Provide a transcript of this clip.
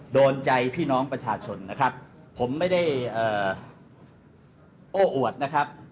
โดนใจพี่น้องประชาชนนะครับผมไม่ได้โอ้อวดนะครับ